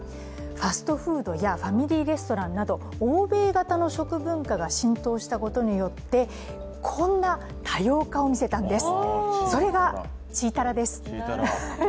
ファストフードやファミリーレストランによって欧米化が進んだことによって、こんな多様化を見せたんですそれがチータラです。